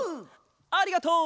ありがとう！